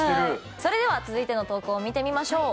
それでは続いての投稿見てみましょう。